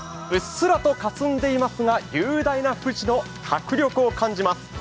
うっすらとかすんでいますが雄大な富士の迫力を感じます。